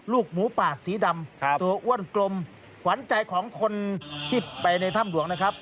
ลูกหมูป่าสีดำตัวอ้วนกลมขวัญใจของคนที่ไปในถ้ำหลวงนะครับ